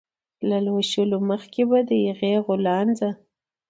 له لوشلو مخکې به مې د هغې غولانځه